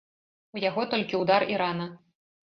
У яго толькі ўдар і рана.